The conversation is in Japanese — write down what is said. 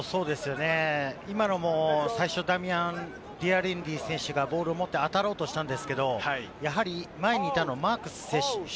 最初、ダミアン・デアリエンディ選手がボールを持って当たろうとしたんですけれども、やはり前にいたのはマークス選手。